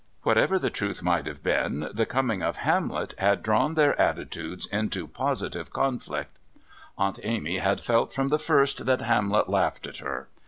Whatever the truth might have been, the coming of Hamlet had drawn their attitudes into positive conflict. Aunt Amy had felt from the first that Hamlet laughed at her.